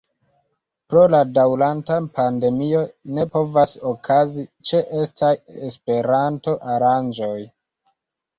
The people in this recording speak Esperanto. Pro la daŭranta pandemio ne povas okazi ĉeestaj Esperanto-aranĝoj.